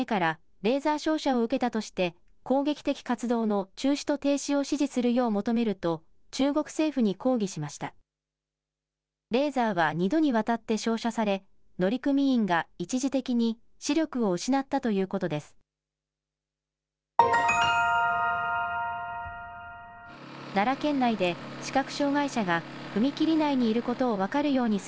レーザーは２度にわたって照射され乗組員が一時的に視力を失ったということです。